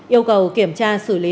yêu cầu kiểm tra xử lý